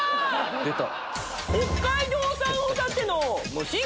出た。